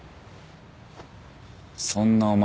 そんなお前